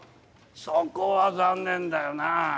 そこは残念だよなぁ。